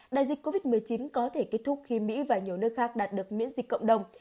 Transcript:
đại dịch covid một mươi chín có thể kết thúc khi mỹ và nhiều nước khác đạt được miễn dịch cộng đồng